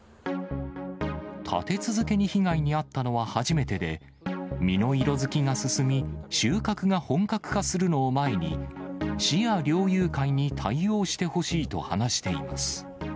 立て続けに被害に遭ったのは初めてで、実の色づきが進み、収穫が本格化するのを前に、市や猟友会に対応してほしいと話しています。